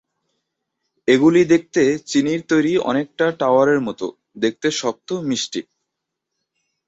এগুলি দেখতে চিনির তৈরি অনেকটা টাওয়ারের মত দেখতে শক্ত মিষ্টি।